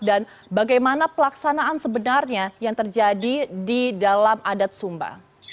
dan bagaimana pelaksanaan sebenarnya yang terjadi di dalam adat sumba